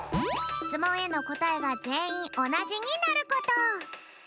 しつもんへのこたえがぜんいんおなじになること。